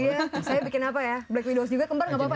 iya saya bikin apa ya black widow juga kempar gak apa apa ya